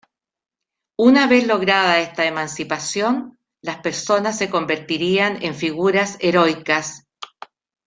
Una vez lograda esta emancipación, las personas se convertirían en figuras heroicas.